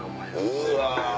うわ。